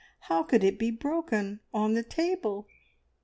How could it be broken on the table?"